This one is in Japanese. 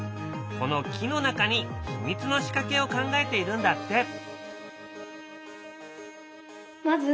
この木の中に秘密の仕掛けを考えているんだって。